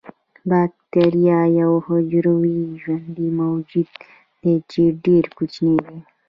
باکتریا یو حجروي ژوندی موجود دی چې ډیر کوچنی دی